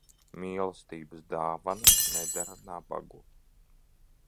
Mīlestības dāvanas nedara nabagu.